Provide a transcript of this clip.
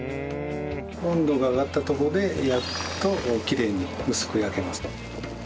温度が上がったところで焼くときれいに薄く焼けます。